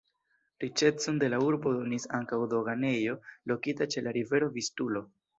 Riĉecon de la urbo donis ankaŭ doganejo lokita ĉe la rivero Vistulo.